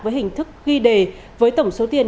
với hình thức ghi đề với tổng số tiền